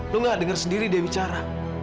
lu gak denger sendiri dia bicara